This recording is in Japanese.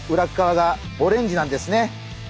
わがオレンジなんですね。